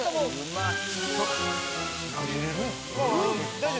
大丈夫？